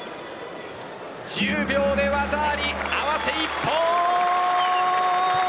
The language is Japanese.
１０秒で技あり合わせ一本。